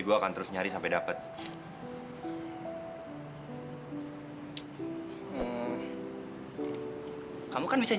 gua tuh mau ngasih mas kevin kerjaan